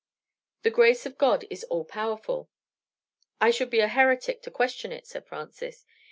"The grace of God is all powerful." "I should be a heretic to question it," said Francis.